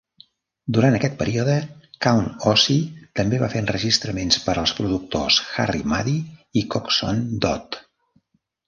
Durant aquest període, Count Ossie també va fer enregistraments per als productors Harry Mudie i Coxsone Dodd.